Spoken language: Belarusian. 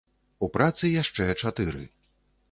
У працы яшчэ чатыры.